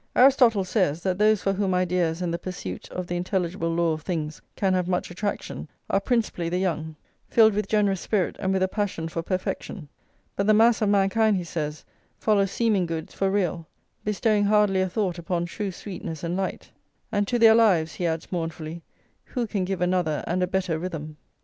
Aristotle says, that those for whom ideas and the pursuit of the intelligible law of things can have much attraction, are principally the young, filled with generous spirit and with a passion for perfection; but the mass of mankind, he says, follow seeming goods for real, bestowing hardly a thought upon true sweetness and light; "and to their lives," he adds mournfully, "who can give another and a better rhythm?"